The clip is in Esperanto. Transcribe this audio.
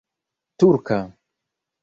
turka